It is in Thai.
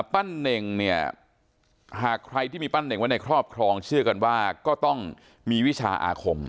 เน่งเนี่ยหากใครที่มีปั้นเน่งไว้ในครอบครองเชื่อกันว่าก็ต้องมีวิชาอาคม